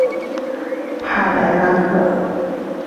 帕莱拉克。